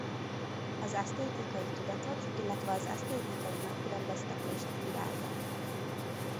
Az esztétikai tudatot illetve az esztétikai megkülönböztetést bírálja.